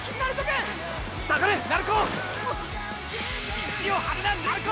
意地を張るな鳴子！